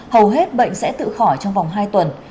hầu hết bệnh sẽ tự khỏi trong vòng hai tuần